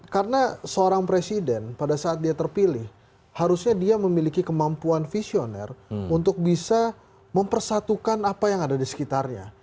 karena seorang presiden pada saat dia terpilih harusnya dia memiliki kemampuan visioner untuk bisa mempersatukan apa yang ada di sekitarnya